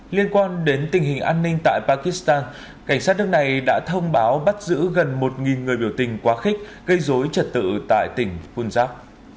liên quan đến tình hình an ninh tại pakistan cảnh sát nước này đã thông báo bắt giữ gần một người biểu tình quá khích gây dối trật tự tại tỉnh punjak